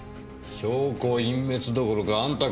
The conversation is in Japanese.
証拠隠滅どころかあんた